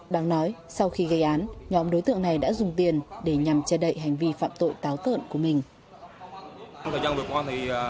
đáng nói sau khi gây án nhóm đối tượng này đã dùng tiền để nhằm che đậy hành vi phạm tội táo tợn của mình